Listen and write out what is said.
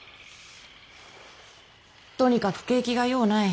とにかく景気がようない。